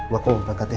ma aku mau berangkat ya